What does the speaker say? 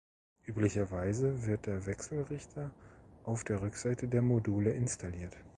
Üblicherweise wird der Wechselrichter auf der Rückseite der Module installiert.